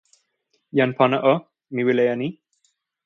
jan pona o, mi wile e ni.